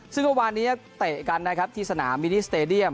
ซึ่งเมื่อวานนี้เตะกันนะครับที่สนามมินิสเตดียม